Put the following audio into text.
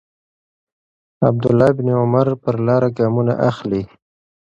عبدالله بن عمر پر لاره ګامونه اخلي.